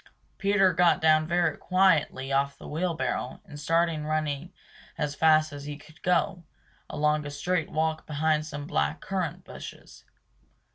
Peter got down very quietly off the wheel barrow and started running as fast as he could go, along a straight walk behind some black currant bushes.